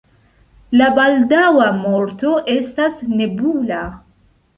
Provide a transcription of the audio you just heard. La baldaŭa morto estas nebula.